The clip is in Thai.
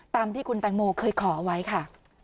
ตามที่คุณแตงโมเคยขอไว้ค่ะ